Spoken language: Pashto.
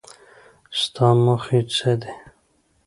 ستا موخې څه دي ؟